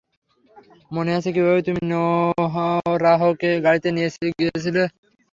মনে আছে কিভাবে তুমি নোরাহকে গাড়িতে নিয়ে গিয়েছিলে?